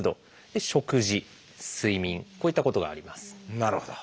なるほど。